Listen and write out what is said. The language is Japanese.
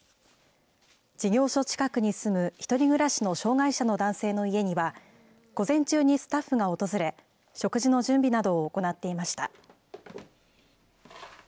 事業所近くに住む１人暮らしの障害者の男性の家には、午前中にスタッフが訪れ、食事の準備などを行っていました。